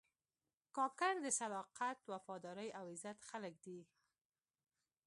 کاکړ د صداقت، وفادارۍ او عزت خلک دي.